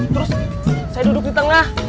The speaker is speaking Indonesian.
terus saya duduk di tengah